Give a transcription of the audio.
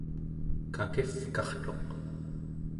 kakivkartuq